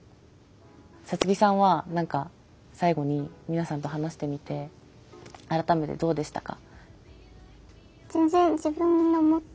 サツキさんは何か最後に皆さんと話してみて改めてどうでしたか？